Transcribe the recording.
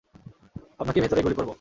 আপনাকে ভেতরেই গুলি করবো।